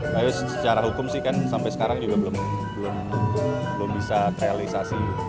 tapi secara hukum sih kan sampai sekarang juga belum bisa terrealisasi